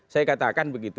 saya katakan begitu